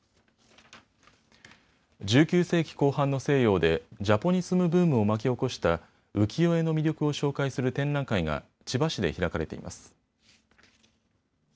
１９世紀後半の西洋でジャポニスムブームを巻き起こした浮世絵の魅力を紹介する展覧会が千葉市で開かれています。